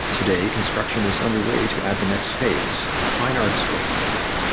Today, construction is underway to add the next phase; a Fine Arts wing.